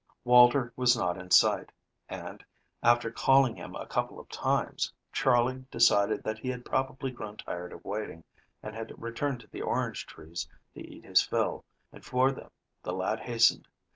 Walter was not in sight, and, after calling him a couple of times, Charley decided that he had probably grown tired of waiting, and had returned to the orange trees to eat his fill, and for them the lad hastened.